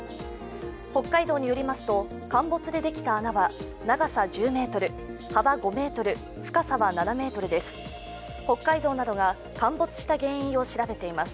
北海道によりますと、陥没でできた穴は長さ１０ｍ幅５ｍ、深さは７ｍです。